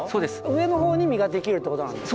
上の方に実ができるってことなんだ。